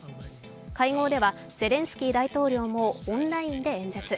会合ではゼレンスキー大統領もオンラインで演説。